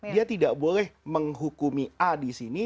dia tidak boleh menghukumi a disini